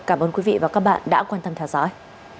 cảm ơn quý vị và các bạn đã quan tâm theo dõi